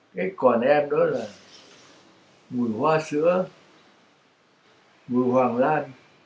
cái còn em đó là mùi hoa sữa mùi hoàng lan